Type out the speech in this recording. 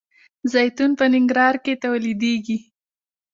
زیتون په ننګرهار کې تولیدیږي.